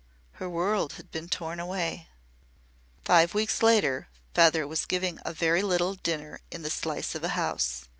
Her world had been torn away. Five weeks later Feather was giving a very little dinner in the slice of a house.